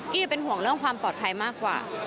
จะเป็นห่วงเรื่องความปลอดภัยมากกว่า